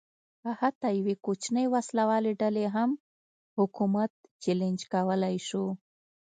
حتی یوې کوچنۍ وسله والې ډلې هم حکومت چلنج کولای شو.